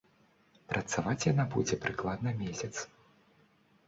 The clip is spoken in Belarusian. Працаваць яна будзе прыкладна месяц.